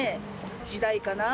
『時代』かな。